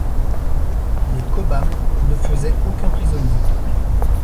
Les Cobham ne faisaient aucun prisonnier.